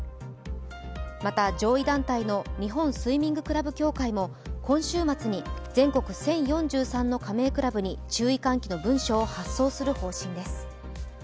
また、上位団体の日本スイミングクラブ協会も今週末に全国１０４３の加盟クラブに注意喚起の文書を発送する方針です。